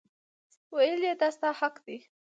ویل یې دا ستا حق دی.